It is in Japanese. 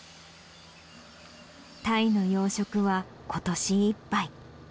タイの養殖は今年いっぱい。